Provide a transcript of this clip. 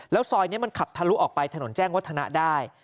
ซอยนี้มันขับทะลุออกไปถนนแจ้งวัฒนะได้